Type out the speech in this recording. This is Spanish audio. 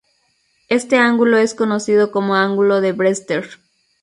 Este ángulo es conocido como Angulo de Brewster.